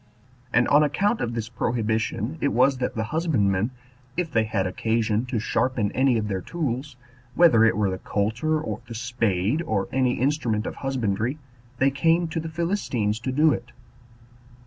And on account of this prohibition it was that the husbandmen, if they had occasion to sharpen any of their tools, whether it were the coulter or the spade, or any instrument of husbandry, they came to the Philistines to do it.